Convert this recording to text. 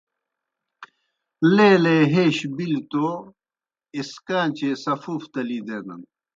لیلے ہَیش بِلیْ توْ اسکان٘چیئےسفوف تلی دینَن۔